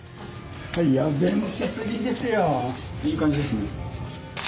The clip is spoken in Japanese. いい感じですね。